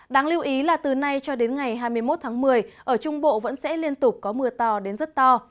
đáng lưu ý là từ nay cho đến ngày hai mươi một tháng một mươi ở trung bộ vẫn sẽ liên tục có mưa to đến rất to